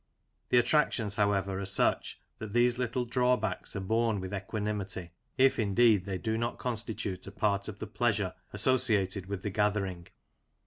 The attractions, however, are such that these little drawbacks are borne with equanimity — if, indeed, they do not constitute a part of the pleasure associated with the gathering.